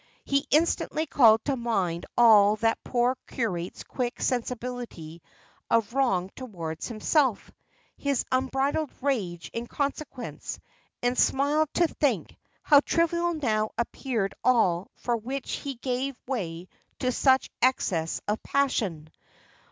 He instantly called to mind all that poor curate's quick sensibility of wrong towards himself; his unbridled rage in consequence; and smiled to think; how trivial now appeared all for which he gave way to such excess of passion!